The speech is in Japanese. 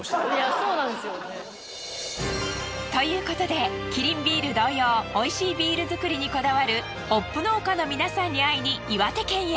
そうなんですよね。ということでキリンビール同様美味しいビール作りにこだわるホップ農家の皆さんに会いに岩手県へ。